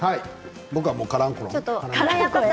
僕はカランコエ。